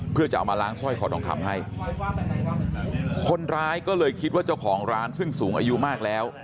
เพื่อจะเอามาล้างสร้อยคอทองคำให้คนร้ายก็เลยคิดว่าเจ้าของร้านซึ่งสูงอายุมากแล้ว